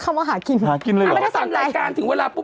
เดาร์ที่หมอสร้างพูด